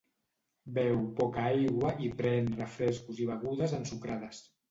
Beu poca aigua i pren refrescos i begudes ensucrades.